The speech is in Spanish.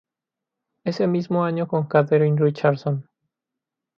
Ese mismo año con Katherine Richardson.